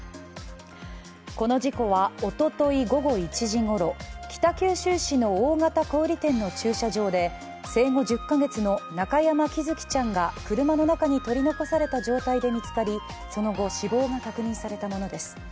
この事故は、おととい午後１時ごろ北九州市の大型小売店の駐車場で生後１０か月の中山喜寿生ちゃんが車の中に取り残された状態で見つかり、その後、死亡が確認されたものです。